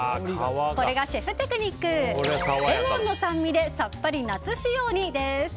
これがシェフテクニックレモンの酸味でさっぱり夏仕様に。